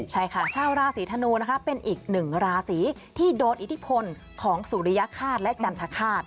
ใช่ค่ะชาวราศีธนูนะคะเป็นอีกหนึ่งราศีที่โดนอิทธิพลของสุริยฆาตและจันทคาต